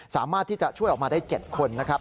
สามารถที่จะช่วยออกมาได้๗คนนะครับ